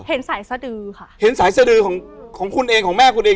เห็นสายสดือค่ะเห็นสายสดือของของคุณเองของแม่คุณเอง